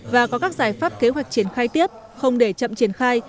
và có các giải pháp kế hoạch triển khai tiếp không để chậm triển khai